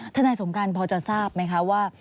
นายสงการพอจะทราบไหมคะว่า